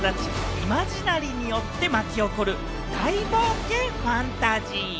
イマジナリによって巻き起こる大冒険ファンタジー。